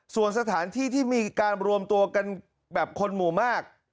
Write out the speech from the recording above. ส่วนสถานที่ที่มีการรวมตัวกันแบบคนหมู่มาก